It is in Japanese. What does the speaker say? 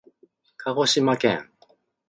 かごしまけん